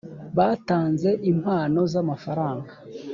batanze impano z’amafaranga